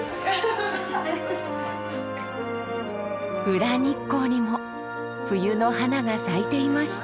裏日光にも冬の華が咲いていました。